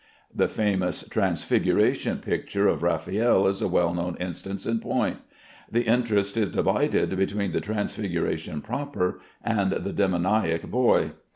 The famous Transfiguration picture of Raffaelle is a well known instance in point. The interest is divided between the Transfiguration proper and the demoniac boy.